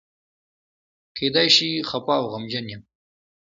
کېدای شي خپه او غمجن یم.